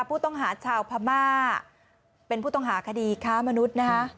ผู้ต้องหาชาวพม่าเป็นผู้ต้องหาคดีค้ามนุษย์นะคะ